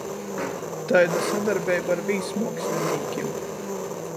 Taida sadarbeiba ar vīsmuokslinīkim.